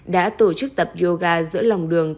đã tổ chức tập yoga giữa lòng đường